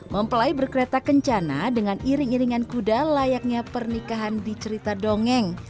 mempelai berkreta kencana dengan iring iringan kuda layaknya pernikahan di cerita dongeng